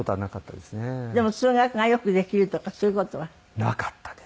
でも数学がよくできるとかそういう事は？なかったです。